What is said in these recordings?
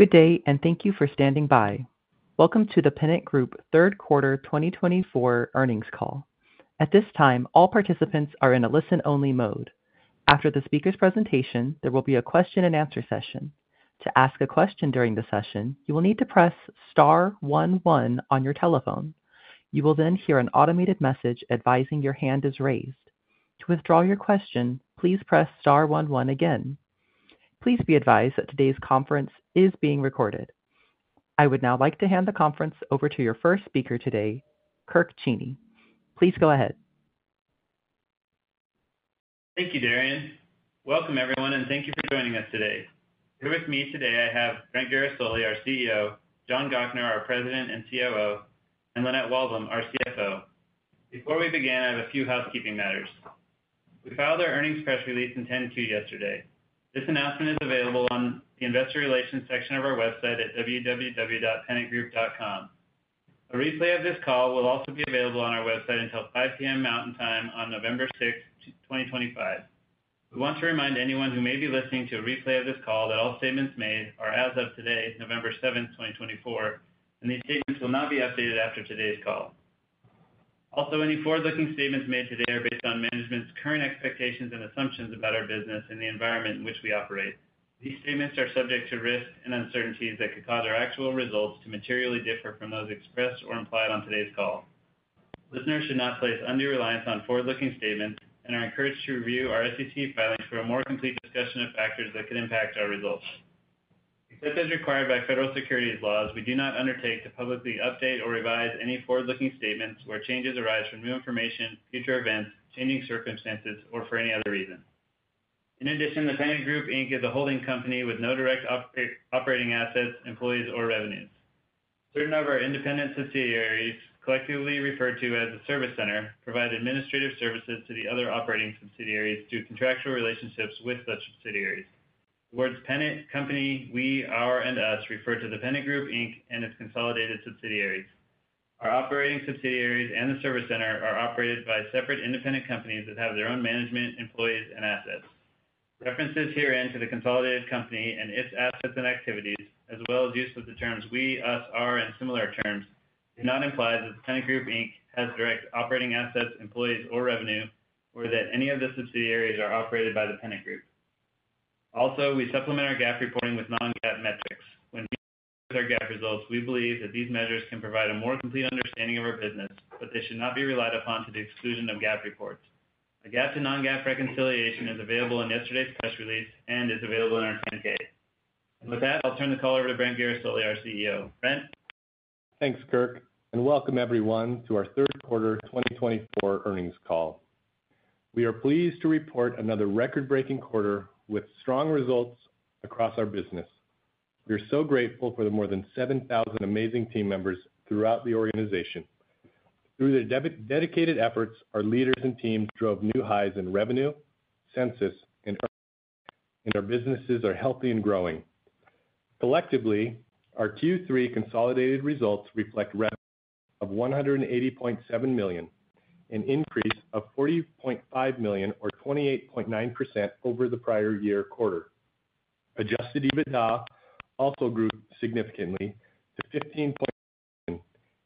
Good day, and thank you for standing by. Welcome to the Pennant Group Q3 2024 Earnings Call. At this time, all participants are in a listen-only mode. After the speaker's presentation, there will be a question-and-answer session. To ask a question during the session, you will need to press star one one on your telephone. You will then hear an automated message advising your hand is raised. To withdraw your question, please press star one one again. Please be advised that today's conference is being recorded. I would now like to hand the conference over to your first speaker today, Kirk Cheney. Please go ahead. Thank you, Darian. Welcome, everyone, and thank you for joining us today. Here with me today, I have Brent Guerisoli, our CEO, John Gochnour, our President and COO, and Lynette Walbom, our CFO. Before we begin, I have a few housekeeping matters. We filed our earnings press release in 10-Q yesterday. This announcement is available on the investor relations section of our website at www.pennantgroup.com. A replay of this call will also be available on our website until 5:00 P.M. Mountain Time on November 6, 2025. We want to remind anyone who may be listening to a replay of this call that all statements made are, as of today, November 7, 2024, and these statements will not be updated after today's call. Also, any forward-looking statements made today are based on management's current expectations and assumptions about our business and the environment in which we operate. These statements are subject to risks and uncertainties that could cause our actual results to materially differ from those expressed or implied on today's call. Listeners should not place undue reliance on forward-looking statements and are encouraged to review our SEC filings for a more complete discussion of factors that could impact our results. Except as required by federal securities laws, we do not undertake to publicly update or revise any forward-looking statements where changes arise from new information, future events, changing circumstances, or for any other reason. In addition, The Pennant Group, Inc. is a holding company with no direct operating assets, employees, or revenues. Certain of our independent subsidiaries, collectively referred to as the Service Center, provide administrative services to the other operating subsidiaries through contractual relationships with such subsidiaries. The words Pennant, Company, We, Our, and Us refer to The Pennant Group Inc. and its consolidated subsidiaries. Our operating subsidiaries and the service center are operated by separate independent companies that have their own management, employees, and assets. References herein to the consolidated company and its assets and activities, as well as use of the terms We, Us, Our, and similar terms, do not imply that the Pennant Group Inc. has direct operating assets, employees, or revenue, or that any of the subsidiaries are operated by the Pennant Group. Also, we supplement our GAAP reporting with non-GAAP metrics. When we look at our GAAP results, we believe that these measures can provide a more complete understanding of our business, but they should not be relied upon to the exclusion of GAAP reports. A GAAP to non-GAAP reconciliation is available in yesterday's press release and is available in our 10-K. And with that, I'll turn the call over to Brent Guerisoli, our CEO. Brent. Thanks, Kirk, and welcome everyone to our Q3 2024 earnings call. We are pleased to report another record-breaking quarter with strong results across our business. We are so grateful for the more than 7,000 amazing team members throughout the organization. Through their dedicated efforts, our leaders and teams drove new highs in revenue, census, and our businesses are healthy and growing. Collectively, our Q3 consolidated results reflect revenue of $180.7 million, an increase of $40.5 million, or 28.9%, over the prior year quarter. Adjusted EBITDA also grew significantly to $15.7 million,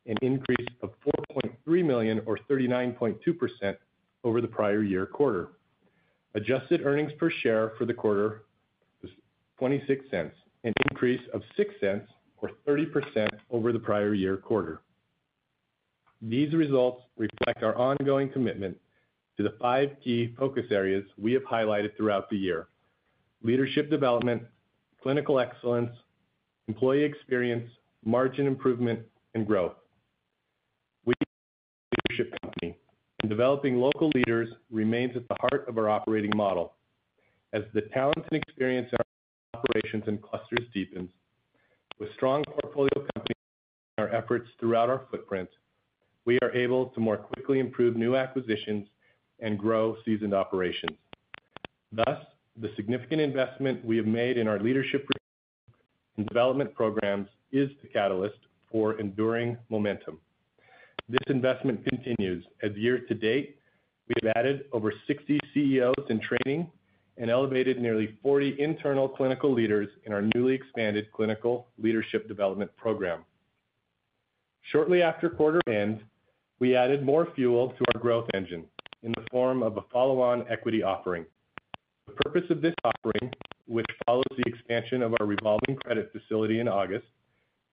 an increase of $4.3 million, or 39.2%, over the prior year quarter. Adjusted earnings per share for the quarter was $0.26, an increase of $0.06, or 30%, over the prior year quarter. These results reflect our ongoing commitment to the five key focus areas we have highlighted throughout the year: leadership development, clinical excellence, employee experience, margin improvement, and growth. We are a leadership company, and developing local leaders remains at the heart of our operating model. As the talent and experience in our operations and clusters deepens, with strong portfolio companies and our efforts throughout our footprint, we are able to more quickly improve new acquisitions and grow seasoned operations. Thus, the significant investment we have made in our leadership and development programs is the catalyst for enduring momentum. This investment continues. As of year to date, we have added over 60 CEOs in training and elevated nearly 40 internal clinical leaders in our newly expanded clinical leadership development program. Shortly after quarter end, we added more fuel to our growth engine in the form of a follow-on equity offering. The purpose of this offering, which follows the expansion of our revolving credit facility in August,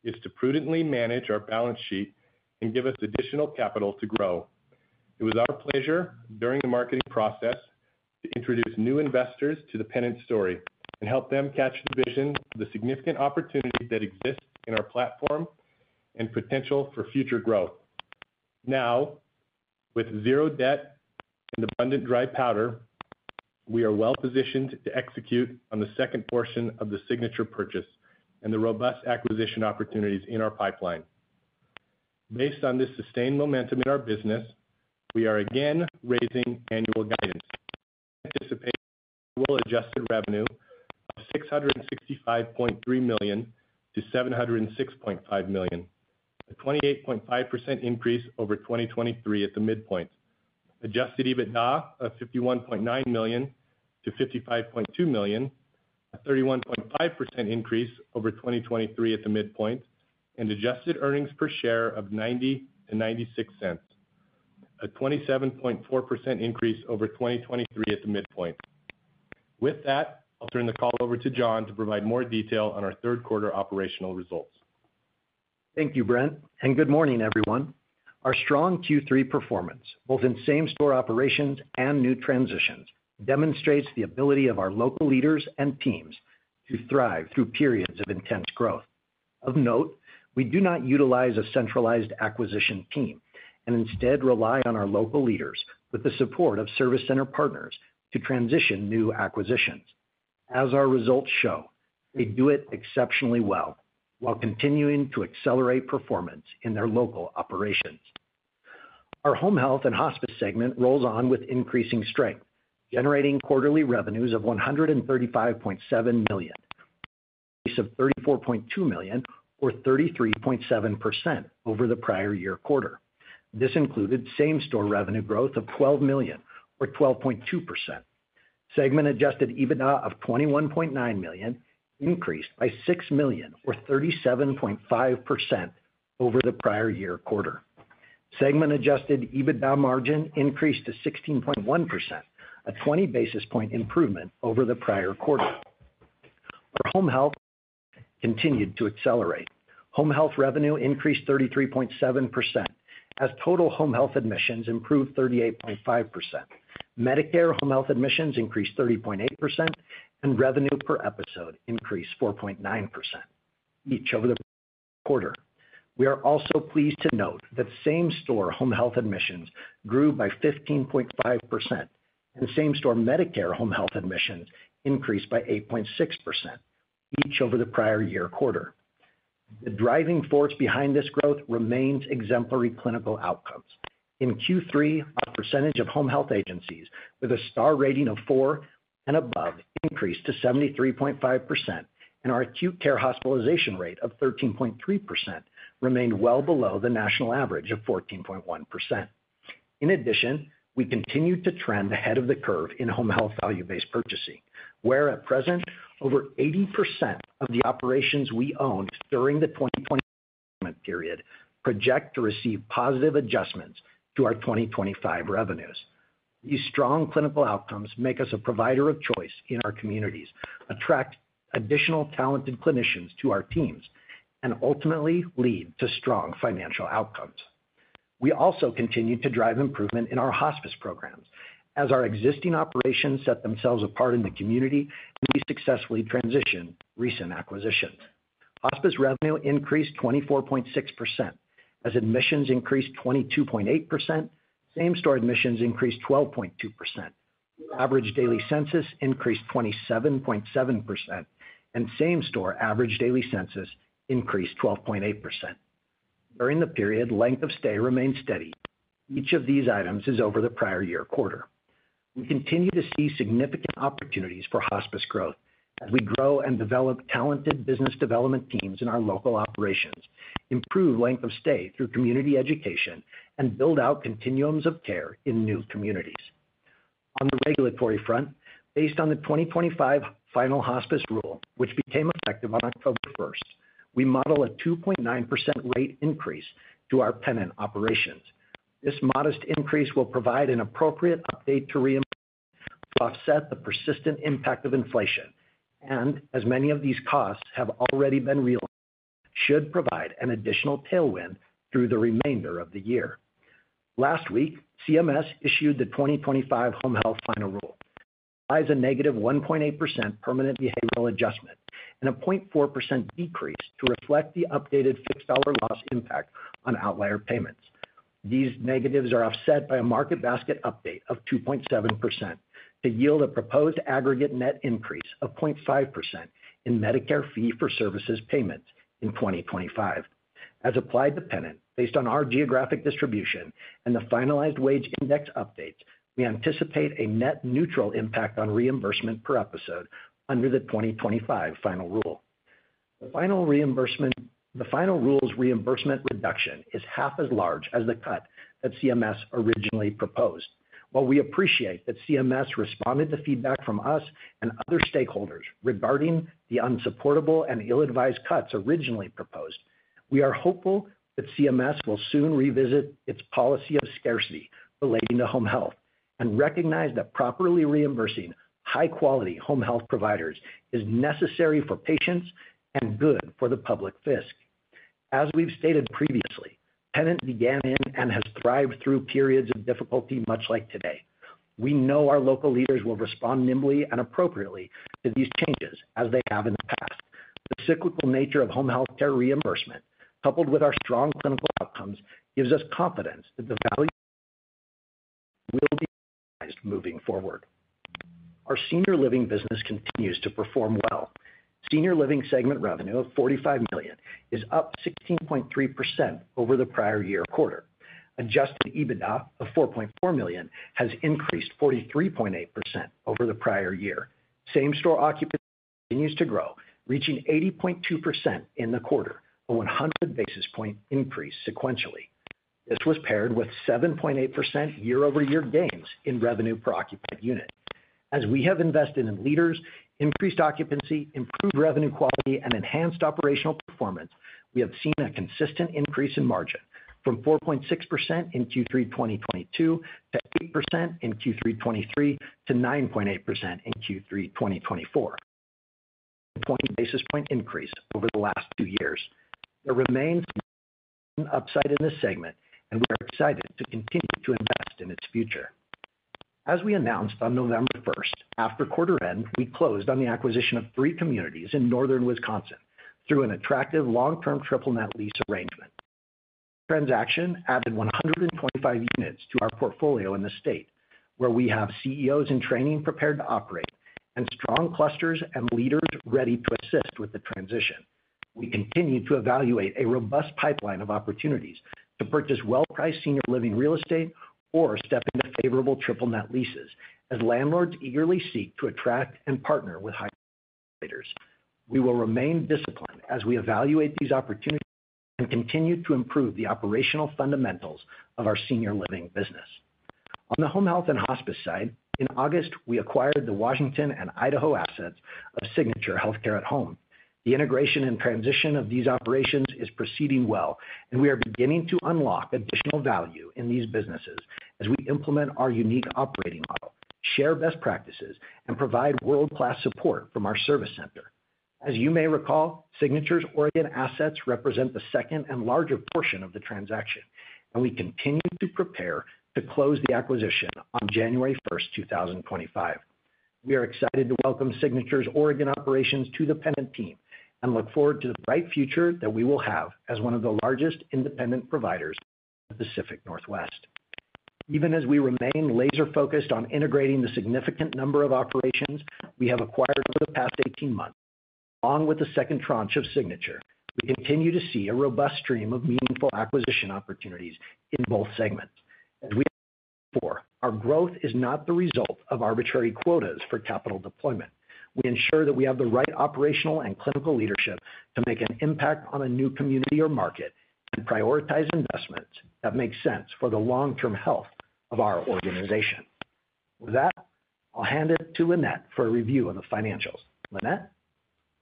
is to prudently manage our balance sheet and give us additional capital to grow. It was our pleasure during the marketing process to introduce new investors to the Pennant story and help them catch the vision of the significant opportunity that exists in our platform and potential for future growth. Now, with zero debt and abundant dry powder, we are well positioned to execute on the second portion of the Signature purchase and the robust acquisition opportunities in our pipeline. Based on this sustained momentum in our business, we are again raising annual guidance. We anticipate annual adjusted revenue of $665.3 million to $706.5 million, a 28.5% increase over 2023 at the midpoint, adjusted EBITDA of $51.9 million to $55.2 million, a 31.5% increase over 2023 at the midpoint, and adjusted earnings per share of $0.90 to $0.96, a 27.4% increase over 2023 at the midpoint. With that, I'll turn the call over to John to provide more detail on our Q3 operational results. Thank you, Brent, and good morning, everyone. Our strong Q3 performance, both in same-store operations and new transitions, demonstrates the ability of our local leaders and teams to thrive through periods of intense growth. Of note, we do not utilize a centralized acquisition team and instead rely on our local leaders with the support of service center partners to transition new acquisitions. As our results show, they do it exceptionally well while continuing to accelerate performance in their local operations. Our home health and hospice segment rolls on with increasing strength, generating quarterly revenues of $135.7 million, a $34.2 million, or 33.7%, over the prior year quarter. This included same-store revenue growth of $12 million, or 12.2%. Segment-adjusted EBITDA of $21.9 million increased by $6 million, or 37.5%, over the prior year quarter. Segment-adjusted EBITDA margin increased to 16.1%, a 20 basis point improvement over the prior quarter. Our home health continued to accelerate. Home health revenue increased 33.7% as total home health admissions improved 38.5%. Medicare home health admissions increased 30.8%, and revenue per episode increased 4.9% each over the quarter. We are also pleased to note that same-store home health admissions grew by 15.5%, and same-store Medicare home health admissions increased by 8.6% each over the prior year quarter. The driving force behind this growth remains exemplary clinical outcomes. In Q3, our percentage of home health agencies with a star rating of 4 and above increased to 73.5%, and our acute care hospitalization rate of 13.3% remained well below the national average of 14.1%. In addition, we continue to trend ahead of the curve in home health value-based purchasing, where at present, over 80% of the operations we owned during the 2020 climate period project to receive positive adjustments to our 2025 revenues. These strong clinical outcomes make us a provider of choice in our communities, attract additional talented clinicians to our teams, and ultimately lead to strong financial outcomes. We also continue to drive improvement in our hospice programs. As our existing operations set themselves apart in the community, we successfully transitioned recent acquisitions. Hospice revenue increased 24.6% as admissions increased 22.8%, same-store admissions increased 12.2%, average daily census increased 27.7%, and same-store average daily census increased 12.8%. During the period, length of stay remained steady. Each of these items is over the prior year quarter. We continue to see significant opportunities for hospice growth as we grow and develop talented business development teams in our local operations, improve length of stay through community education, and build out continuums of care in new communities. On the regulatory front, based on the 2025 final hospice rule, which became effective on October 1, we model a 2.9% rate increase to our Pennant operations. This modest increase will provide an appropriate update to reimbursement to offset the persistent impact of inflation, and as many of these costs have already been realized, should provide an additional tailwind through the remainder of the year. Last week, CMS issued the 2025 home health final rule. It includes a negative 1.8% permanent behavioral adjustment and a 0.4% decrease to reflect the updated fixed dollar loss impact on outlier payments. These negatives are offset by a market basket update of 2.7% to yield a proposed aggregate net increase of 0.5% in Medicare Fee-For-Service payments in 2025. As applied to Pennant, based on our geographic distribution and the finalized wage index updates, we anticipate a net neutral impact on reimbursement per episode under the 2025 final rule. The final rule's reimbursement reduction is half as large as the cut that CMS originally proposed. While we appreciate that CMS responded to feedback from us and other stakeholders regarding the unsupportable and ill-advised cuts originally proposed, we are hopeful that CMS will soon revisit its policy of scarcity relating to home health and recognize that properly reimbursing high-quality home health providers is necessary for patients and good for the public fisc. As we've stated previously, Pennant began in and has thrived through periods of difficulty much like today. We know our local leaders will respond nimbly and appropriately to these changes as they have in the past. The cyclical nature of home healthcare reimbursement, coupled with our strong clinical outcomes, gives us confidence that the value will be optimized moving forward. Our senior living business continues to perform well. Senior living segment revenue of $45 million is up 16.3% over the prior year quarter. Adjusted EBITDA of $4.4 million has increased 43.8% over the prior year. Same-store occupancy continues to grow, reaching 80.2% in the quarter, a 100 basis point increase sequentially. This was paired with 7.8% year-over-year gains in revenue per occupant unit. As we have invested in leaders, increased occupancy, improved revenue quality, and enhanced operational performance, we have seen a consistent increase in margin from 4.6% in Q3 2022 to 8% in Q3 2023 to 9.8% in Q3 2024, a 20 basis point increase over the last two years. There remains an upside in this segment, and we are excited to continue to invest in its future. As we announced on November 1, after quarter end, we closed on the acquisition of three communities in Northern Wisconsin through an attractive long-term triple net lease arrangement. The transaction added 125 units to our portfolio in the state, where we have CEOs in Training prepared to operate and strong clusters and leaders ready to assist with the transition. We continue to evaluate a robust pipeline of opportunities to purchase well-priced Senior Living real estate or step into favorable triple net leases as landlords eagerly seek to attract and partner with high-value providers. We will remain disciplined as we evaluate these opportunities and continue to improve the operational fundamentals of our Senior Living business. On the home health and hospice side, in August, we acquired the Washington and Idaho assets of Signature Healthcare at Home. The integration and transition of these operations is proceeding well, and we are beginning to unlock additional value in these businesses as we implement our unique operating model, share best practices, and provide world-class support from our service center. As you may recall, Signature's Oregon assets represent the second and larger portion of the transaction, and we continue to prepare to close the acquisition on January 1, 2025. We are excited to welcome Signature's Oregon operations to the Pennant team and look forward to the bright future that we will have as one of the largest independent providers in the Pacific Northwest. Even as we remain laser-focused on integrating the significant number of operations we have acquired over the past 18 months, along with the second tranche of Signature, we continue to see a robust stream of meaningful acquisition opportunities in both segments. As we have for our growth, it is not the result of arbitrary quotas for capital deployment. We ensure that we have the right operational and clinical leadership to make an impact on a new community or market and prioritize investments that make sense for the long-term health of our organization. With that, I'll hand it to Lynette for a review of the financials. Lynette?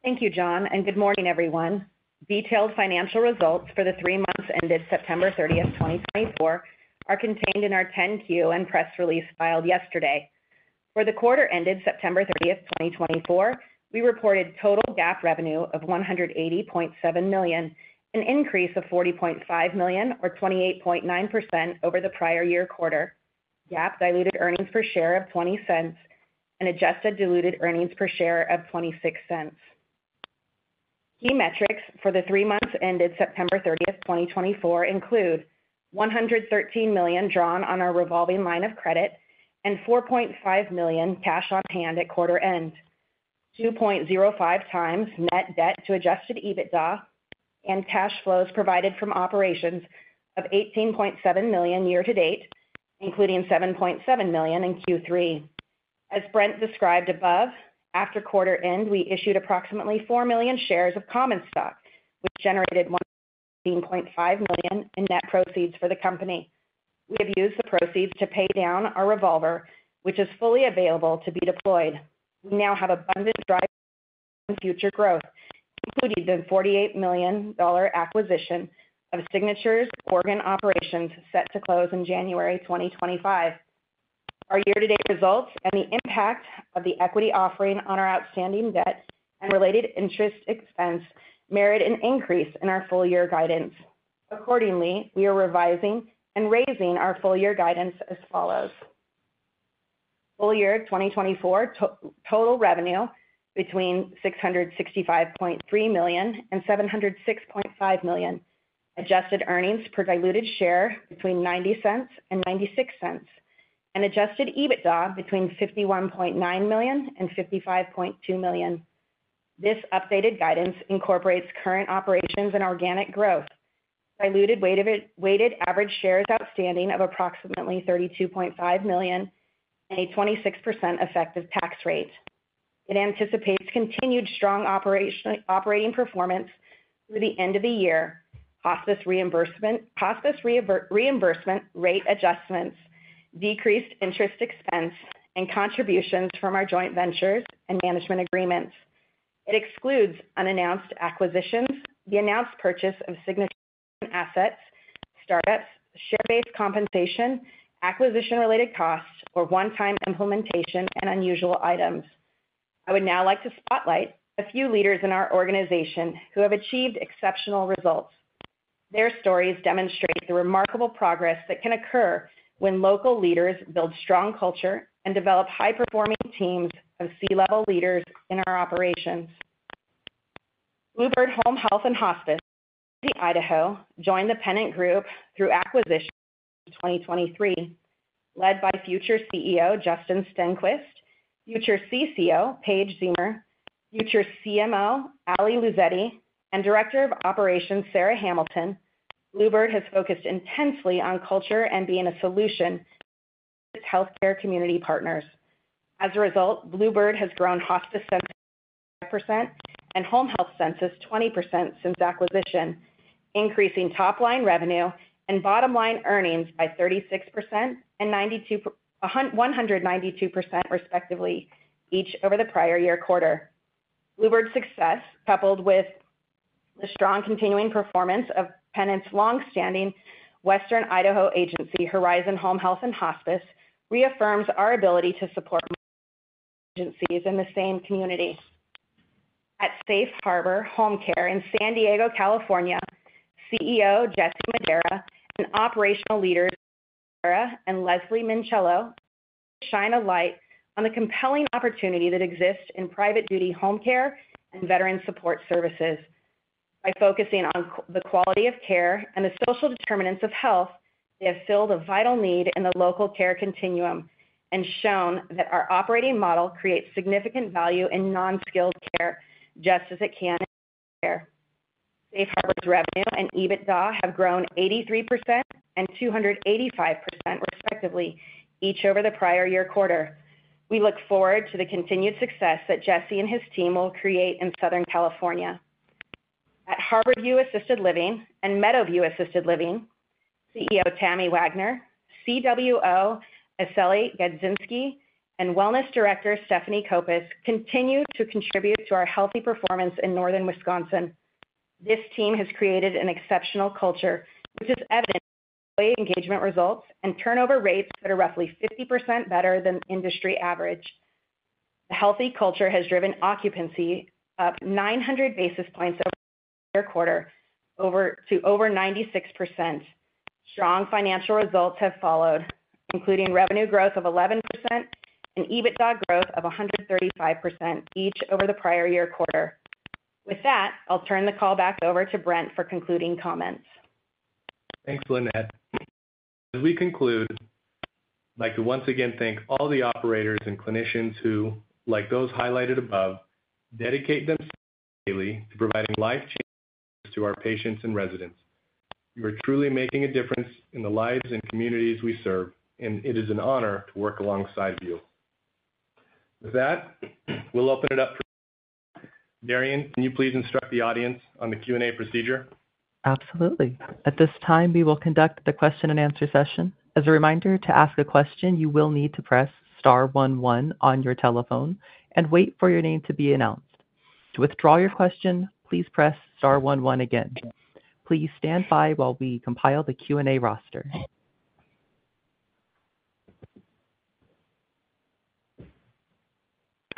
Thank you, John, and good morning, everyone. Detailed financial results for the three months ended September 30, 2024, are contained in our 10-Q and press release filed yesterday. For the quarter ended September 30, 2024, we reported total GAAP revenue of $180.7 million, an increase of $40.5 million, or 28.9%, over the prior year quarter, GAAP diluted earnings per share of $0.20, and adjusted diluted earnings per share of $0.26. Key metrics for the three months ended September 30, 2024, include $113 million drawn on our revolving line of credit and $4.5 million cash on hand at quarter end, 2.05 times net debt to adjusted EBITDA, and cash flows provided from operations of $18.7 million year to date, including $7.7 million in Q3. As Brent described above, after quarter end, we issued approximately four million shares of common stock, which generated $118.5 million in net proceeds for the company. We have used the proceeds to pay down our revolver, which is fully available to be deployed. We now have abundant dry powder for future growth, including the $48 million acquisition of Signature's Oregon operations set to close in January 2025. Our year-to-date results and the impact of the equity offering on our outstanding debt and related interest expense merit an increase in our full-year guidance. Accordingly, we are revising and raising our full-year guidance as follows: full year 2024 total revenue between $665.3 million and $706.5 million, adjusted earnings per diluted share between $0.90 and $0.96, and adjusted EBITDA between $51.9 million and $55.2 million. This updated guidance incorporates current operations and organic growth, diluted weighted average shares outstanding of approximately 32.5 million, and a 26% effective tax rate. It anticipates continued strong operating performance through the end of the year, hospice reimbursement rate adjustments, decreased interest expense, and contributions from our joint ventures and management agreements. It excludes unannounced acquisitions, the announced purchase of Signature assets, startups, share-based compensation, acquisition-related costs, or one-time implementation and unusual items. I would now like to spotlight a few leaders in our organization who have achieved exceptional results. Their stories demonstrate the remarkable progress that can occur when local leaders build strong culture and develop high-performing teams of C-level leaders in our operations. Bluebird Home Health and Hospice of Idaho joined The Pennant Group through acquisition in 2023. Led by future CEO Justin Stenquist, future CCO Paige Ziemer, future CMO Ali Luzzetti, and director of operations Sarah Hamilton, Bluebird has focused intensely on culture and being a solution to its healthcare community partners. As a result, Bluebird has grown hospice census by 5% and home health census 20% since acquisition, increasing top-line revenue and bottom-line earnings by 36% and 192%, respectively, each over the prior year quarter. Bluebird's success, coupled with the strong continuing performance of Pennant's long-standing Western Idaho agency, Horizon Home Health and Hospice, reaffirms our ability to support agencies in the same community. At Safe Harbor Home Care in San Diego, California, CEO Jesse Madera and operational leaders Sarah and Leslie Minchello shine a light on the compelling opportunity that exists in private duty home care and veteran support services. By focusing on the quality of care and the social determinants of health, they have filled a vital need in the local care continuum and shown that our operating model creates significant value in non-skilled care just as it can in home care. Safe Harbor's revenue and EBITDA have grown 83% and 285%, respectively, each over the prior year quarter. We look forward to the continued success that Jesse and his team will create in Southern California. At Harborview Assisted Living and Meadowview Assisted Living, CEO Tammy Wagner, CWO Areli Godzinski, and Wellness Director Stephanie Copus continue to contribute to our healthy performance in northern Wisconsin. This team has created an exceptional culture, which is evident in employee engagement results and turnover rates that are roughly 50% better than industry average. The healthy culture has driven occupancy up 900 basis points over the year quarter, to over 96%. Strong financial results have followed, including revenue growth of 11% and EBITDA growth of 135%, each over the prior year quarter. With that, I'll turn the call back over to Brent for concluding comments. Thanks, Lynette. As we conclude, I'd like to once again thank all the operators and clinicians who, like those highlighted above, dedicate themselves daily to providing life changes to our patients and residents. You are truly making a difference in the lives and communities we serve, and it is an honor to work alongside you. With that, we'll open it up for Q&A. Darian, can you please instruct the audience on the Q&A procedure? Absolutely. At this time, we will conduct the question and answer session. As a reminder, to ask a question, you will need to press star one one on your telephone and wait for your name to be announced. To withdraw your question, please press star one one again. Please stand by while we compile the Q&A roster.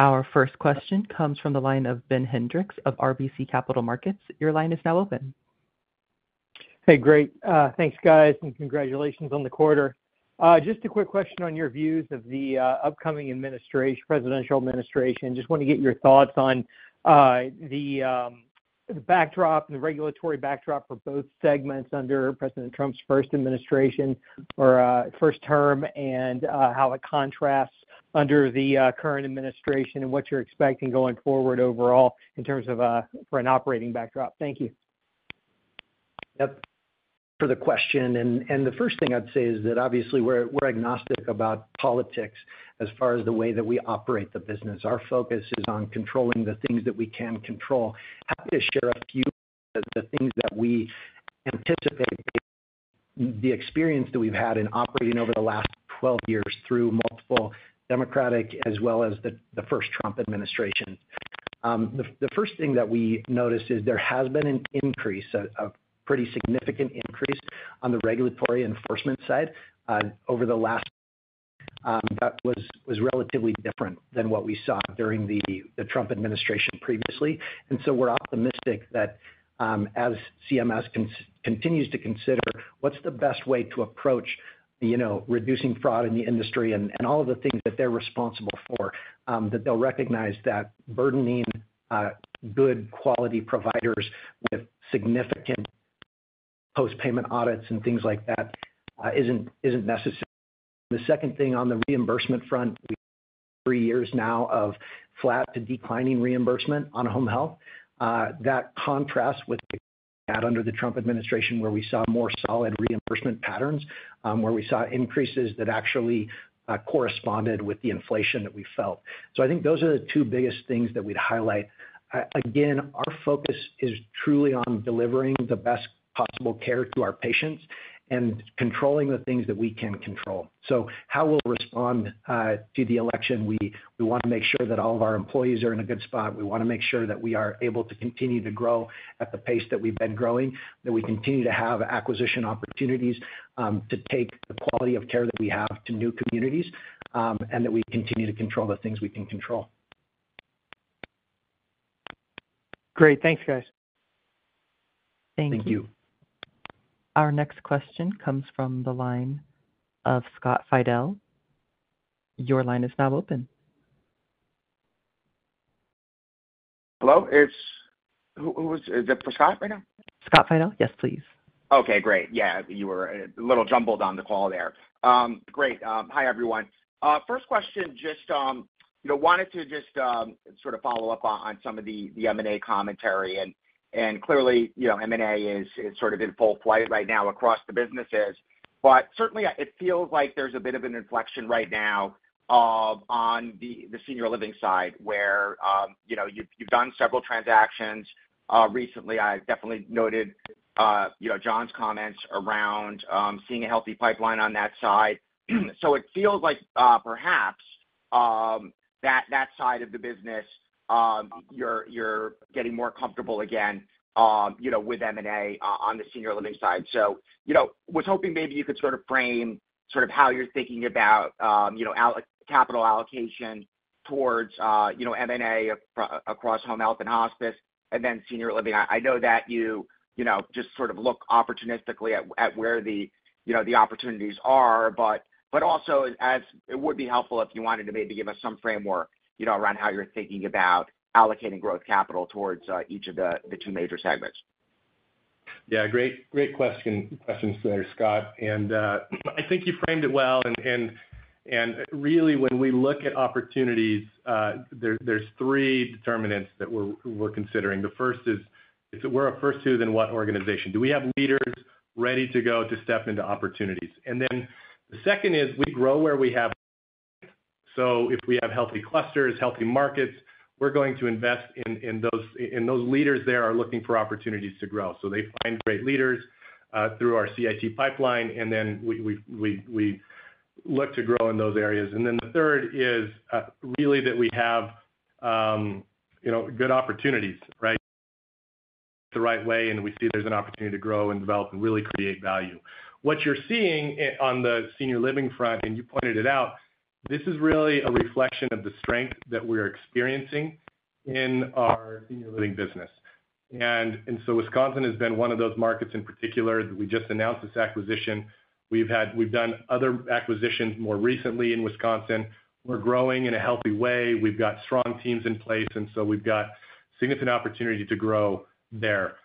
Our first question comes from the line of Ben Hendricks of RBC Capital Markets. Your line is now open. Hey, great. Thanks, guys, and congratulations on the quarter. Just a quick question on your views of the upcoming presidential administration. Just want to get your thoughts on the backdrop and the regulatory backdrop for both segments under President Trump's first administration or first term and how it contrasts under the current administration and what you're expecting going forward overall in terms of an operating backdrop? Thank you. Yep. For the question. And the first thing I'd say is that, obviously, we're agnostic about politics as far as the way that we operate the business. Our focus is on controlling the things that we can control. Happy to share a few of the things that we anticipate based on the experience that we've had in operating over the last 12 years through multiple Democratic as well as the first Trump administrations. The first thing that we noticed is there has been an increase, a pretty significant increase on the regulatory enforcement side over the last. That was relatively different than what we saw during the Trump administration previously. And so we're optimistic that as CMS continues to consider what's the best way to approach reducing fraud in the industry and all of the things that they're responsible for, that they'll recognize that burdening good quality providers with significant post-payment audits and things like that isn't necessary. The second thing on the reimbursement front, we have three years now of flat to declining reimbursement on home health. That contrasts with the case we had under the Trump administration, where we saw more solid reimbursement patterns, where we saw increases that actually corresponded with the inflation that we felt. So I think those are the two biggest things that we'd highlight. Again, our focus is truly on delivering the best possible care to our patients and controlling the things that we can control. So how we'll respond to the election, we want to make sure that all of our employees are in a good spot. We want to make sure that we are able to continue to grow at the pace that we've been growing, that we continue to have acquisition opportunities to take the quality of care that we have to new communities, and that we continue to control the things we can control. Great. Thanks, guys. Thank you. Our next question comes from the line of Scott Fidel. Your line is now open. Hello? Is it for Scott right now? Scott Fidel? Yes, please. Okay, great. Yeah, you were a little jumbled on the call there. Great. Hi, everyone. First question, just wanted to just sort of follow up on some of the M&A commentary. Clearly, M&A is sort of in full flight right now across the businesses. But certainly, it feels like there's a bit of an inflection right now on the senior living side, where you've done several transactions recently. I definitely noted John's comments around seeing a healthy pipeline on that side. It feels like, perhaps, that side of the business, you're getting more comfortable again with M&A on the senior living side. I was hoping maybe you could sort of frame sort of how you're thinking about capital allocation towards M&A across home health and hospice and then senior living. I know that you just sort of look opportunistically at where the opportunities are, but also, it would be helpful if you wanted to maybe give us some framework around how you're thinking about allocating growth capital towards each of the two major segments. Yeah, great questions there, Scott, and I think you framed it well, and really, when we look at opportunities, there's three determinants that we're considering. The first is, if we're first to, then what organization? Do we have leaders ready to go to step into opportunities? And then the second is, we grow where we have growth. So if we have healthy clusters, healthy markets, we're going to invest in those leaders that are looking for opportunities to grow. So they find great leaders through our CIT pipeline, and then we look to grow in those areas. And then the third is really that we have good opportunities, right, the right way, and we see there's an opportunity to grow and develop and really create value. What you're seeing on the senior living front, and you pointed it out, this is really a reflection of the strength that we're experiencing in our senior living business. And so Wisconsin has been one of those markets in particular. We just announced this acquisition. We've done other acquisitions more recently in Wisconsin. We're growing in a healthy way. We've got strong teams in place, and so we've got significant opportunity to grow there.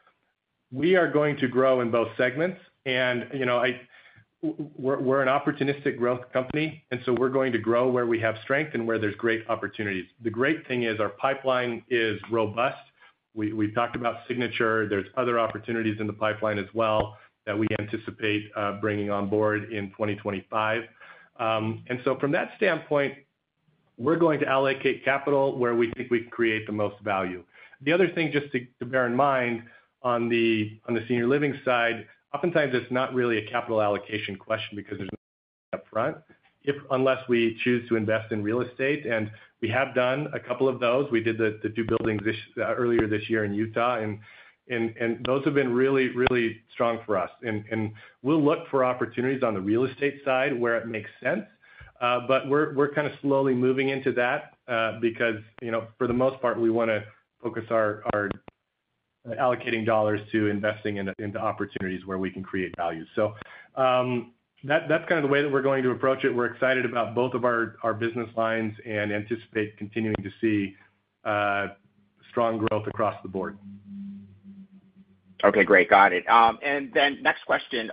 We are going to grow in both segments. And we're an opportunistic growth company, and so we're going to grow where we have strength and where there's great opportunities. The great thing is our pipeline is robust. We've talked about Signature. There's other opportunities in the pipeline as well that we anticipate bringing on board in 2025, and so from that standpoint, we're going to allocate capital where we think we create the most value. The other thing, just to bear in mind on the senior living side, oftentimes it's not really a capital allocation question because there's no upfront, unless we choose to invest in real estate, and we have done a couple of those. We did the two buildings earlier this year in Utah, and those have been really, really strong for us, and we'll look for opportunities on the real estate side where it makes sense, but we're kind of slowly moving into that because, for the most part, we want to focus our allocating dollars to investing into opportunities where we can create value, so that's kind of the way that we're going to approach it. We're excited about both of our business lines and anticipate continuing to see strong growth across the board. Okay, great. Got it. And then next question,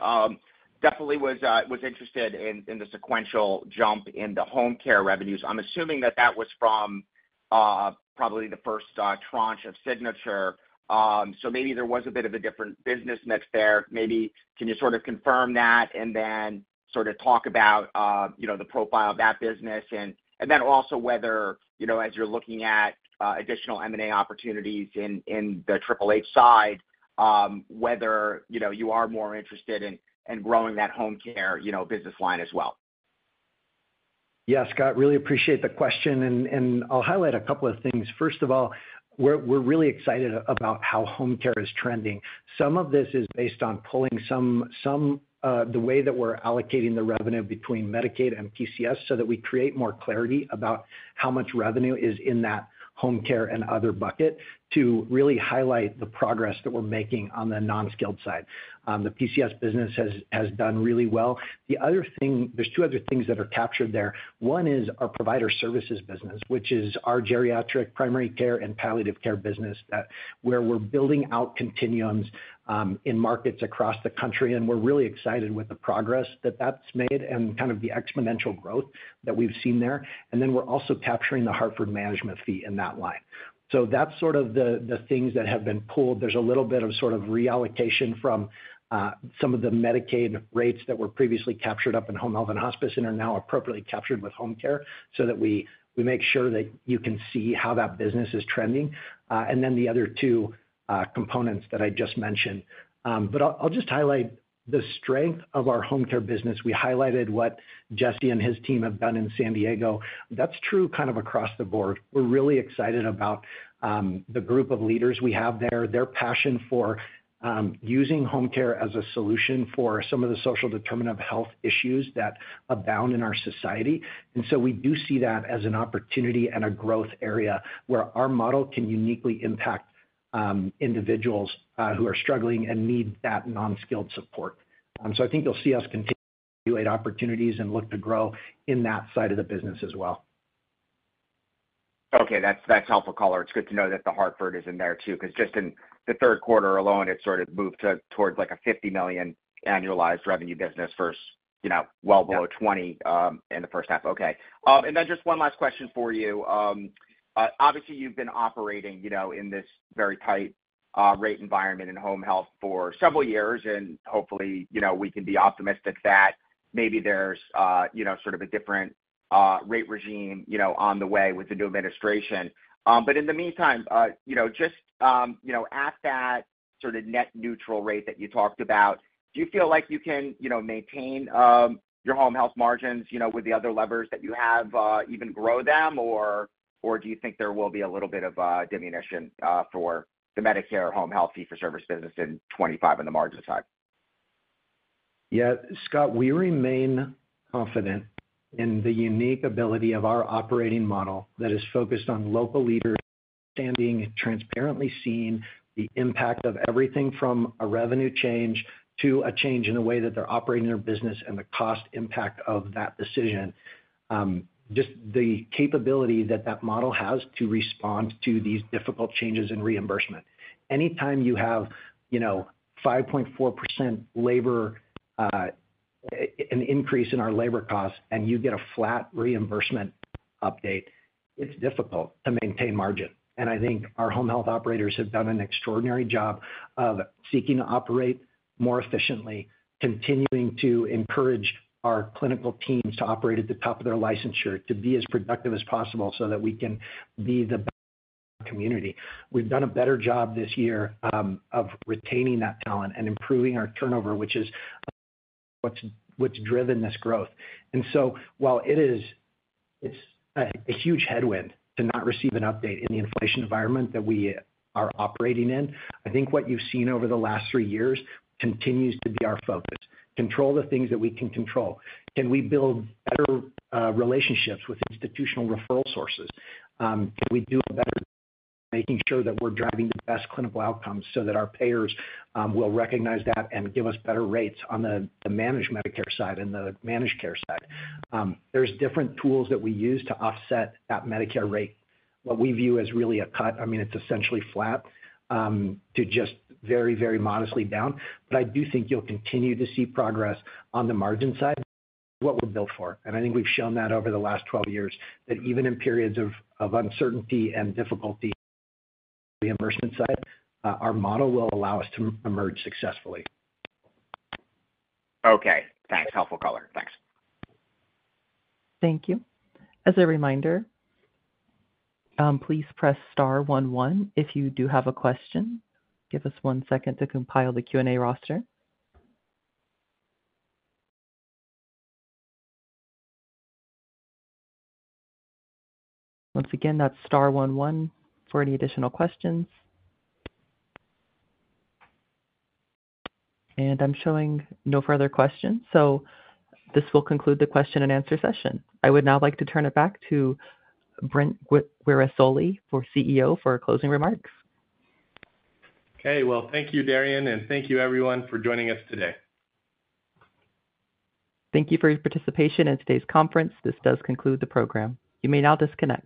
definitely was interested in the sequential jump in the home care revenues. I'm assuming that that was from probably the first tranche of Signature. So maybe there was a bit of a different business mix there. Maybe can you sort of confirm that and then sort of talk about the profile of that business? And then also whether, as you're looking at additional M&A opportunities in the Triple H side, whether you are more interested in growing that home care business line as well. Yeah, Scott, really appreciate the question. And I'll highlight a couple of things. First of all, we're really excited about how home care is trending. Some of this is based on pulling some of the way that we're allocating the revenue between Medicaid and PCS so that we create more clarity about how much revenue is in that home care and other bucket to really highlight the progress that we're making on the non-skilled side. The PCS business has done really well. There's two other things that are captured there. One is our provider services business, which is our geriatric primary care and palliative care business, where we're building out continuums in markets across the country. And we're really excited with the progress that that's made and kind of the exponential growth that we've seen there. And then we're also capturing the Hartford management fee in that line. So that's sort of the things that have been pulled. There's a little bit of sort of reallocation from some of the Medicaid rates that were previously captured up in home health and hospice and are now appropriately captured with home care so that we make sure that you can see how that business is trending. And then the other two components that I just mentioned. But I'll just highlight the strength of our home care business. We highlighted what Jesse and his team have done in San Diego. That's true kind of across the board. We're really excited about the group of leaders we have there, their passion for using home care as a solution for some of the social determinants of health issues that abound in our society. And so we do see that as an opportunity and a growth area where our model can uniquely impact individuals who are struggling and need that non-skilled support. So I think you'll see us continue to create opportunities and look to grow in that side of the business as well. Okay, that's helpful, caller. It's good to know that the Hartford is in there too, because just in the Q3 alone, it sort of moved towards like a $50 million annualized revenue business versus well below $20 million in the first half. Okay. And then just one last question for you. Obviously, you've been operating in this very tight rate environment in home health for several years, and hopefully, we can be optimistic that maybe there's sort of a different rate regime on the way with the new administration. But in the meantime, just at that sort of net neutral rate that you talked about, do you feel like you can maintain your home health margins with the other levers that you have, even grow them, or do you think there will be a little bit of diminution for the Medicare home health fee-for-service business in 2025 and the margin side? Yeah, Scott, we remain confident in the unique ability of our operating model that is focused on local leaders standing, transparently seeing the impact of everything from a revenue change to a change in the way that they're operating their business and the cost impact of that decision. Just the capability that that model has to respond to these difficult changes in reimbursement. Anytime you have 5.4% labor, an increase in our labor costs, and you get a flat reimbursement update, it's difficult to maintain margin. And I think our home health operators have done an extraordinary job of seeking to operate more efficiently, continuing to encourage our clinical teams to operate at the top of their licensure to be as productive as possible so that we can be the best in our community. We've done a better job this year of retaining that talent and improving our turnover, which is what's driven this growth. And so while it is a huge headwind to not receive an update in the inflation environment that we are operating in, I think what you've seen over the last three years continues to be our focus. Control the things that we can control. Can we build better relationships with institutional referral sources? Can we do a better job of making sure that we're driving the best clinical outcomes so that our payers will recognize that and give us better rates on the managed Medicare side and the managed care side? There's different tools that we use to offset that Medicare rate, what we view as really a cut. I mean, it's essentially flat to just very, very modestly down. But I do think you'll continue to see progress on the margin side. It's what we're built for. And I think we've shown that over the last 12 years, that even in periods of uncertainty and difficulty on the reimbursement side, our model will allow us to emerge successfully. Okay. Thanks. Helpful, caller. Thanks. Thank you. As a reminder, please press star one one if you do have a question. Give us one second to compile the Q&A roster. Once again, that's star one one for any additional questions. And I'm showing no further questions. So this will conclude the question and answer session. I would now like to turn it back to Brent Guerisoli, CEO, for closing remarks. Okay. Well, thank you, Darian, and thank you, everyone, for joining us today. Thank you for your participation in today's conference. This does conclude the program. You may now disconnect.